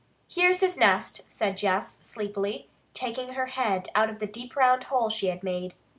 "Here's his nest," said Jess sleepily, taking her head out of the deep round hole she had made.